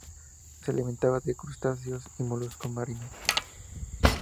Se alimentaba de crustáceos y moluscos marinos.